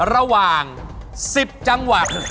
ระหว่าง๑๐จังหวัด